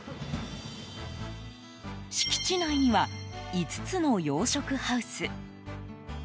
敷地内には、５つの養殖ハウス。